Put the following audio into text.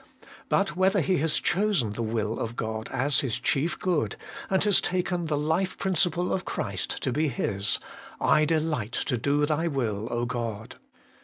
But whether he has chosen the will of God as his chief good, and has taken the life principle of Christ to be his : 'I delight to do Thy will, God.'